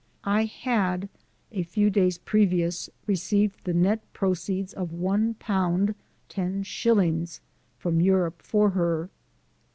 I had, a few days previous, re ceived the net proceeds of one pound ten shil lings from Europe for her.